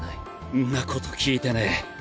んなこと聞いてねぇ。